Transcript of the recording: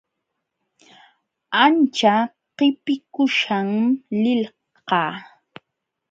Ancha qipikuśham lilqaa.